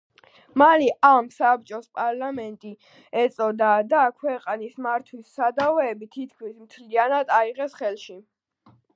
მალე ამ საბჭოს პარლამენტი ეწოდა და ქვეყნის მართვის სადავეები თითქმის მთლიანად აიღეს ხელში.